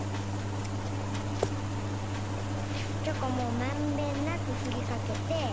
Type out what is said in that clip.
チョコもまんべんなくふりかけて。